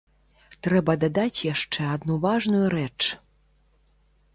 Трэба дадаць яшчэ адну важную рэч.